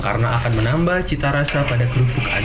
karena akan menambah cita rasa pada kerupuk anda